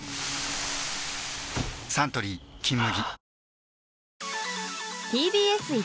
サントリー「金麦」